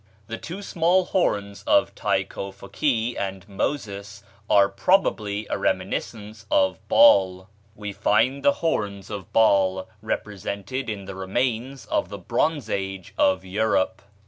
The two small horns of Tai Ko Fokee and Moses are probably a reminiscence of Baal. We find the horns of Baal represented in the remains of the Bronze Age of Europe.